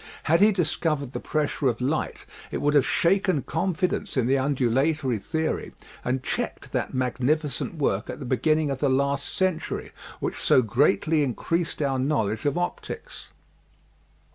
Had he discovered the pressure of light, it would have shaken confidence in the undulatory theory and checked that magnificent work at the beginning of the last century which so greatly increased out knowledge of optics.